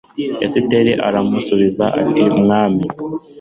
esiteri aramusubiza ati mwami